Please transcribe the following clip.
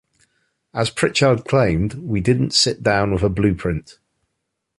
As Pritchard claimed, We didn't sit down with a blueprint.